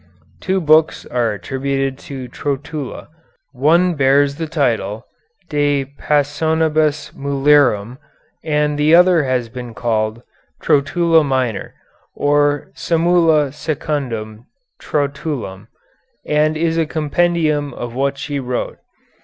Two books are attributed to Trotula; one bears the title, "De Passionibus Mulierum," and the other has been called "Trotula Minor," or "Summula Secundum Trotulam," and is a compendium of what she wrote.